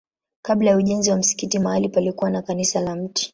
Kabla ya ujenzi wa msikiti mahali palikuwa na kanisa la Mt.